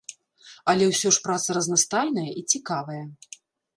Але ўсё ж праца разнастайная і цікавая.